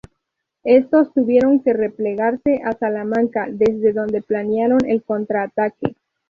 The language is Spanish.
Estos tuvieron que replegarse a Salamanca, desde donde planearon el contraataque.